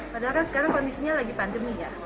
padahal kan sekarang kondisinya lagi pandemi ya